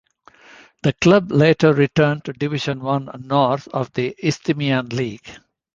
The club later returned to Division One North of the Isthmian League.